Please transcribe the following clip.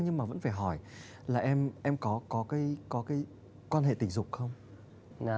nhưng mà vẫn phải hỏi là em có cái quan hệ tình dục không